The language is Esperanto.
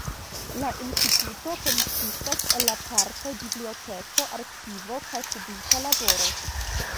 La instituto konsistas el la partoj biblioteko, arkivo kaj publika laboro.